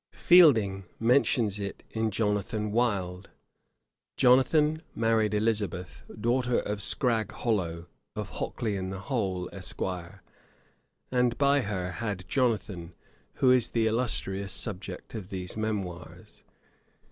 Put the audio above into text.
Fielding mentions it in Jonathan Wild, bk. i. ch. 2: 'Jonathan married Elizabeth, daughter of Scragg Hollow, of Hockley in the Hole, Esq., and by her had Jonathan, who is the illustrious subject of these memoirs.'